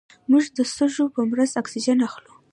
موږ د سږو په مرسته اکسیجن اخلو